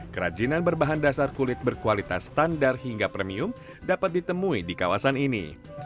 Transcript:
kerajinan berbahan dasar kulit berkualitas standar hingga premium dapat ditemui di kawasan ini